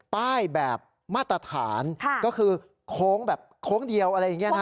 แบบมาตรฐานก็คือโค้งแบบโค้งเดียวอะไรอย่างนี้นะ